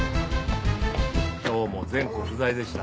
今日も全戸不在でした。